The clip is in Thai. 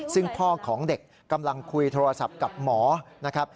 ซึ่งพ่อของเด็กกำลังคุยโทรศัพท์กับหมอนะครับ